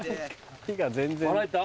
火が全然。